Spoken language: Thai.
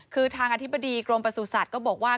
คือทางอธิบดีกรมประสุทธิ์ก็บอกว่า